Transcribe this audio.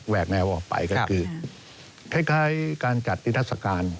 แนวออกไปก็คือคล้ายการจัดนิทัศกาล